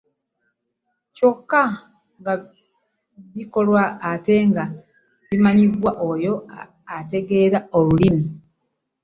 Kyokka nga bikolwa ate nga bimanyibwa oyo ategeera olulimi.